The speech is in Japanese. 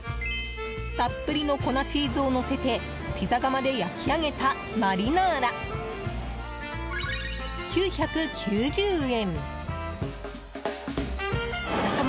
たっぷりの粉チーズをのせてピザ窯で焼き上げたマリナーラ９９０円。